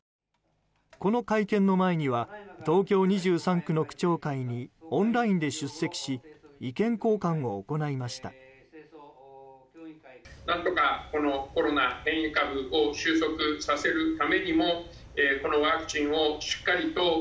この会見の前には東京２３区の区長会にオンラインで出席し意見交換を行いました。